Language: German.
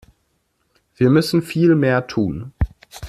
Wir müssen viel mehr tun.